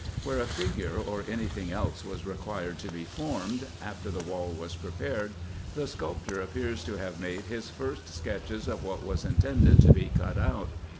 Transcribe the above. Where a figure or any thing else was required to be formed, after the wall was prepared, the sculptor appears to have made his first sketches of what was intended to be cut out.